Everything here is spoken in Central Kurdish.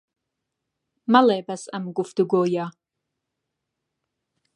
مەڵێ بەس ئەم گوفتوگۆیە